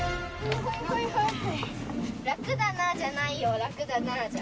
「ラクだな」じゃないよ「ラクだな」じゃ。